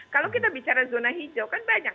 kalau kita bicara zona hijau kan banyak